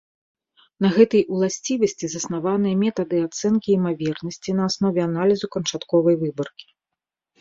На гэтай уласцівасці заснаваныя метады ацэнкі імавернасці на аснове аналізу канчатковай выбаркі.